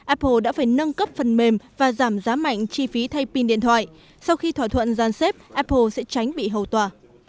apple đã phải nâng cấp phần mềm và giảm giá mạnh chi phí thay pin điện thoại sau khi thỏa thuận giàn xếp apple sẽ tránh bị hầu tòa